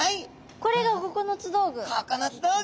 これが９つ道具！